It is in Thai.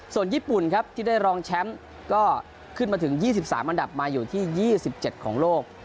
ส่วนญี่ปุ่นครับที่ได้รองแชมป์ก็ขึ้นมาถึง๒๓อันดับมาอยู่ที่๒๗ของโลก